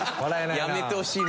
やめてほしいな。